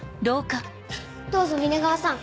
「どうぞ皆川」さん。